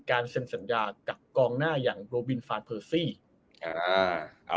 การเซ็มเซ็มยากับกองหน้าอย่างโรบินฟาสเพอร์ซี่อ่า